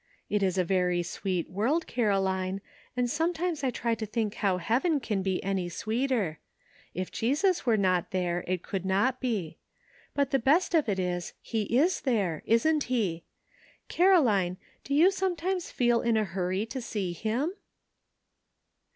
It is a very sweet world, Caroline, and sometimes I try to think how Heaven can be any sweeter ; if Jesus were not there it could not be. But the best of it is he is there, isn't he? Caroline, do you sometimes feel in a hurry to see him